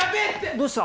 どうした！？